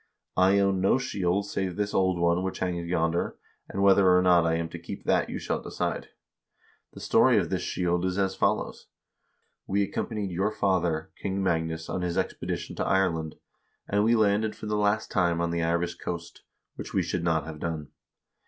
I own no shield save this old one which hangs yonder, and whether or not I am to keep that you shall decide. The story of this shield is as follows : We accompanied your father, King Magnus, on his expedition to Ireland, and we landed for the last time on the Irish coast, which we should not have done.